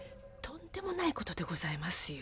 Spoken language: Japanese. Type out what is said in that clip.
とんでもない事でございますよ。